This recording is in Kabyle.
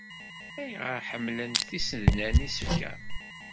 Ayɣer ay ḥemmlent tsednan isefka?